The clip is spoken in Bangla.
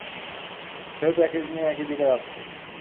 সেও প্যাকেজ নিয়ে একই দিকে যাচ্ছে।